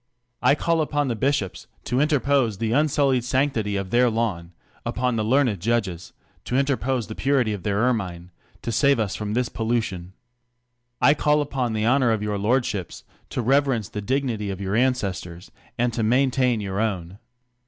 I call upon the bishops to interpose the unsullied sanctity of their laicn ; upon the learned judges, to interpose the purit} of their ennine, to save us from this pollution. I call upon the honor of your lordships, to reverence the dignity of your ancestors, and to maintain your own.